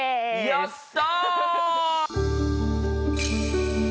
やった！